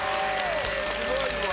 すごいわ！